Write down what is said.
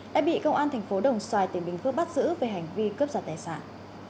đã bị công an thành phố đồng xoài tỉnh bình phước bắt giữ về hành vi cướp giật tài sản